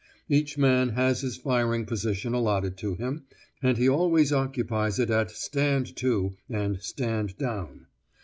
Each man has his firing position allotted to him, and he always occupies it at 'stand to' and 'stand down.